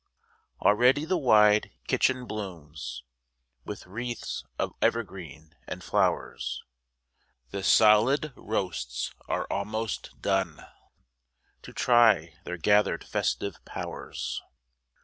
Already the wide kitchen blooms With wreaths of evergreens and flowers, The solid roasts are almost done, To try their gathered festive powers.